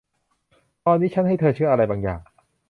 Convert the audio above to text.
ตอนนี้ชั้นให้เธอเชื่ออะไรบางอย่าง